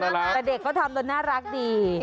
น่ารักแต่เด็กเขาทำด้วยน่ารักดี